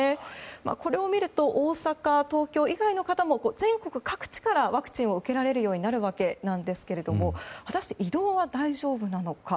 これを見ると大阪、東京以外の方も全国各地からワクチンを受けられるようになるわけですが果たして移動は大丈夫なのか。